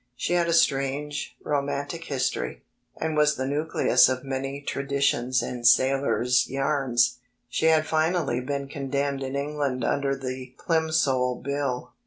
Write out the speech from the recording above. She had a strange, romantic history, and was the nucleus of many traditions and sailors' yams. She had finally been condemned in Eng land under the Plimsoll Bill.